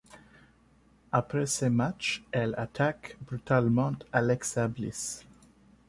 Après ce match, elle attaque brutalement Alexa Bliss.